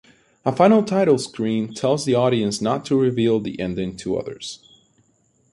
A final title screen tells the audience not to reveal the ending to others.